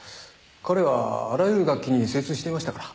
彼はあらゆる楽器に精通していましたから。